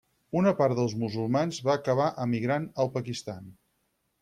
Una part dels musulmans va acabar emigrant al Pakistan.